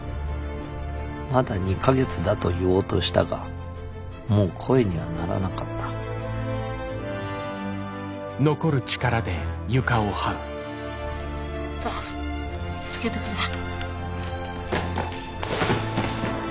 まだ２か月だと言おうとしたがもう声にはならなかったたすけてくれ。